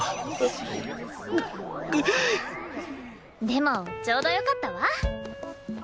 でもちょうどよかったわ。